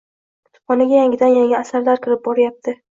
Kutubxonaga yangidan-yangi asarlar kirib boryapti.